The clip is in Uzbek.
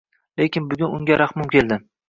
Lekin bugun unga rahmim keldi